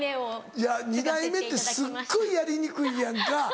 いや２代目ってすっごいやりにくいやんか。